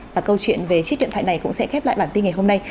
và câu chuyện về chiếc điện thoại này cũng sẽ khép lại bản tin ngày hôm nay